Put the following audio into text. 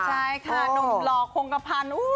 ใช่ค่ะหนุ่มหล่อคงกระพันธ์